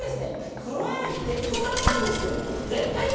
黒柳徹子さんなんですけども。